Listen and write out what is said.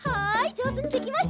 じょうずにできました！